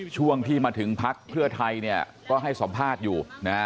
ช่วงที่มาถึงพักธุ์เพื่อไทยก็ให้สอบภาษณ์อยู่